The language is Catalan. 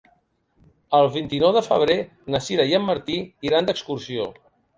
El vint-i-nou de febrer na Sira i en Martí iran d'excursió.